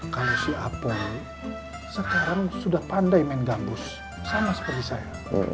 kalau si apol sekarang sudah pandai main gambus sama seperti saya